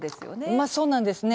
まあそうなんですね。